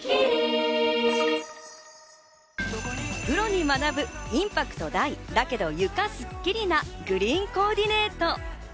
プロに学ぶ、インパクト大だけど床スッキリなグリーンコーディネート。